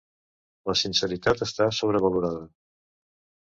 La sinceritat està sobrevalorada.